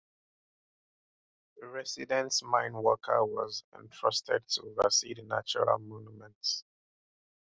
A resident mine worker was entrusted to oversee the natural monument.